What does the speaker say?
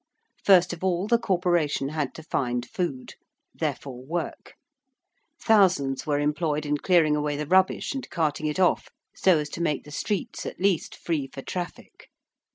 First of all, the Corporation had to find food therefore work. Thousands were employed in clearing away the rubbish and carting it off so as to make the streets, at least, free for traffic.